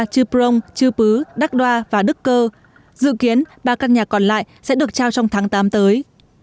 chư prong chư pứ đắc đoa và đức cơ dự kiến ba căn nhà còn lại sẽ được trao trong tháng tám tới